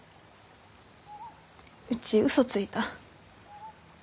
うちウソついた。